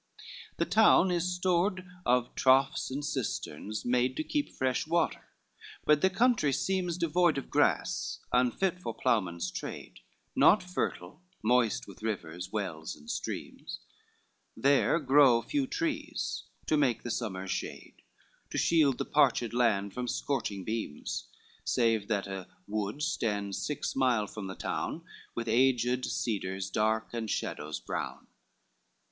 LVI The town is stored of troughs and cisterns, made To keep fresh water, but the country seems Devoid of grass, unfit for ploughmen's trade, Not fertile, moist with rivers, wells and streams; There grow few trees to make the summer's shade, To shield the parched land from scorching beams, Save that a wood stands six miles from the town, With aged cedars dark, and shadows brown.